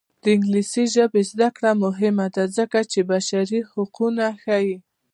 د انګلیسي ژبې زده کړه مهمه ده ځکه چې بشري حقونه ښيي.